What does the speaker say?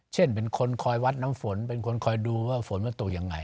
เช่นเป็นคนคอยวัดน้ำฝนเป็นคนคอยดูว่าฝนมันตกยังไง